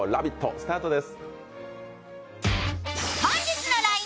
スタートです。